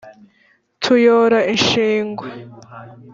tuyora ishingwe